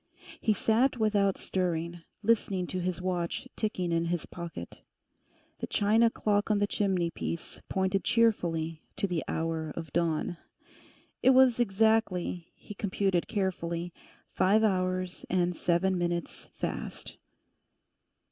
He sat without stirring, listening to his watch ticking in his pocket. The china clock on the chimney piece pointed cheerfully to the hour of dawn. It was exactly, he computed carefully, five hours and seven minutes fast.